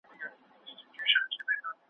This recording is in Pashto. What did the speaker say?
د لودي تاج پښتنو په بابر کېښود